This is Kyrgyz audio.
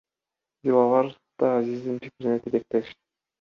Диловар да Азиздин пикирине тилектеш.